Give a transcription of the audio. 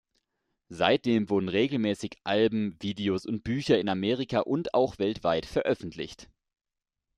Seitdem wurden regelmäßig Alben, Videos und Bücher in Amerika und auch weltweit veröffentlicht.